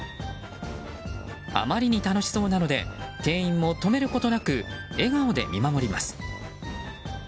あまりに楽しそうなので店員も止めることなく笑顔で見守ります。